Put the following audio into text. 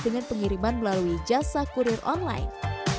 dengan pengiriman melalui jasa kurir online